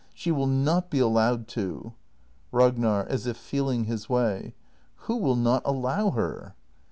] She will not be allowed to! Ragnar. [As if feeling his way.] Who will not allow her